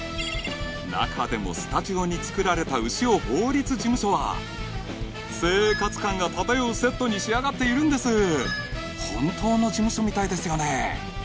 中でもスタジオに作られた潮法律事務所は生活感が漂うセットに仕上がっているんです本当の事務所みたいですよね